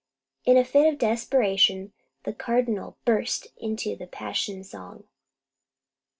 In a fit of desperation the Cardinal burst into the passion song.